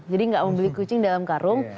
jadi nggak membeli kucing di dalam karung